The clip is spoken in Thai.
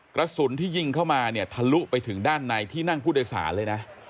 กระสุนที่ยิงเข้ามาเนี่ยทะลุไปถึงด้านในที่นั่งผู้โดยสารเลยนะ